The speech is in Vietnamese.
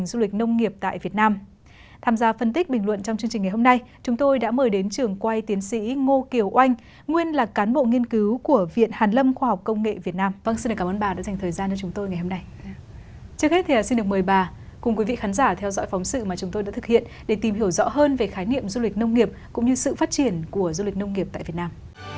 xin được mời bà cùng quý vị khán giả theo dõi phóng sự mà chúng tôi đã thực hiện để tìm hiểu rõ hơn về khái niệm du lịch nông nghiệp cũng như sự phát triển của du lịch nông nghiệp tại việt nam